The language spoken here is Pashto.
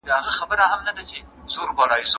حکمت ئې هم ورته وايي.